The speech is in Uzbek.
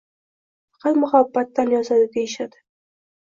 Faqt muhabbatdan yozadi, deyishadi.